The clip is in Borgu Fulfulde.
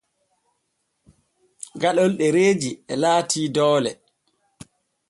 Gaɗol ɗereeji e laati doole.